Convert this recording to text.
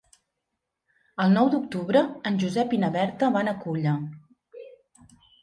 El nou d'octubre en Josep i na Berta van a Culla.